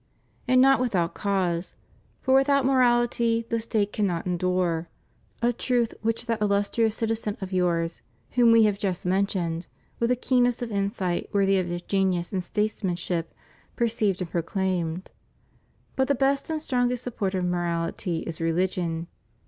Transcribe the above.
And not without cause; for without morality the State cannot endure — a truth which that illustrious citizen of yours, whom We have just mentioned, with a keenness of insight worthy of his genius and statesmanship perceived and proclaimed. But the best and strongest support of morality is religion.